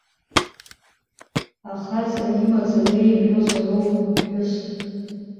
Ахаҵа имаӡа леимҳәозароуп аԥҳәыс.